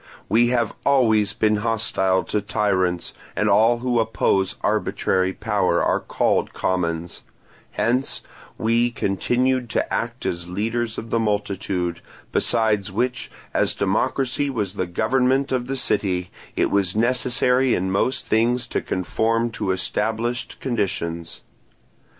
We have always been hostile to tyrants, and all who oppose arbitrary power are called commons; hence we continued to act as leaders of the multitude; besides which, as democracy was the government of the city, it was necessary in most things to conform to established conditions.